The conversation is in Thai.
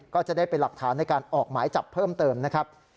ก็จะได้เป็นหลักฐานในการออกหมายจับเพิ่มเติมนะครับ